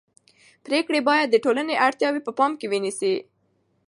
پرېکړې باید د ټولنې اړتیاوې په پام کې ونیسي